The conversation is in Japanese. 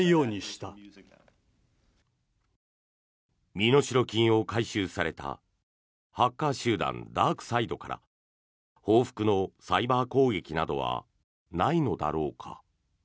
身代金を回収されたハッカー集団ダークサイドから報復のサイバー攻撃などはないのだろうか？